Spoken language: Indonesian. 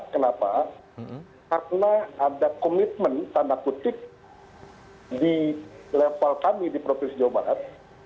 karena ada komitmen tanda kutip di level kami di provinsi jawa barat